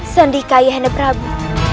sendikai ayahanda prabu